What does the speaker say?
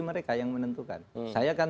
mereka yang menentukan saya kan